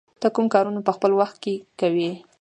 ته کوم کارونه په خپل وخت کې کوې؟